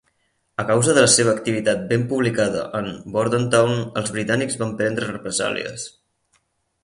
A causa de la seva activitat ben publicada en Bordentown, els britànics van prendre represàlies.